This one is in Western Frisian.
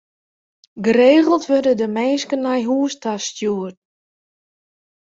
Geregeld wurde der minsken nei hûs ta stjoerd.